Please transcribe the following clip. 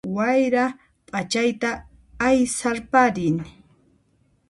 Wayra ph'achayta aysarparin